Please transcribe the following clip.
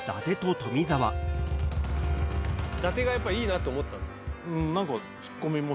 伊達がやっぱりいいなと思った？